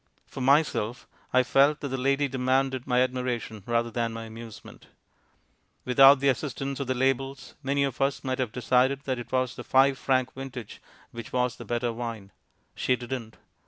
For myself, I felt that the lady demanded my admiration rather than my amusement. Without the assistance of the labels, many of us might have decided that it was the five franc vintage which was the better wine. She didn't.